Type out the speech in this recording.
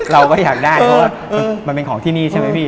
เราก็อยากได้เพราะว่ามันเป็นของที่นี่ใช่ไหมพี่